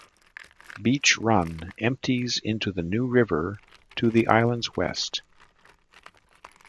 Beech Run empties into the New River to the island's west.